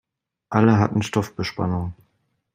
Alle hatten Stoffbespannung.